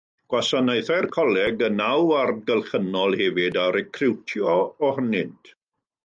Gwasanaethai'r Coleg y naw ward gylchynol hefyd a recriwtio ohonynt.